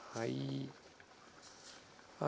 はい。